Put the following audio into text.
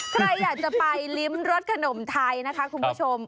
ใครอยากจะไปลิ้มรสขนมไทยนะคะคุณผู้ชม